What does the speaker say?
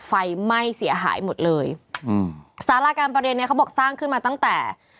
ไฟไหม้เสียหายหมดเลยอืมสาราการประเรียนเนี้ยเขาบอกสร้างขึ้นมาตั้งแต่